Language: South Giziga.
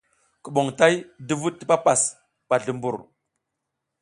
Kuɓom tay duvuɗ ti papas ɓa zlumbur.